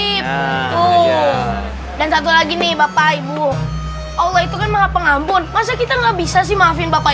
euch dan lagi nih bapak ibu allah itu mahapa ngabun masa kita nggak bisa sih mafiin bapak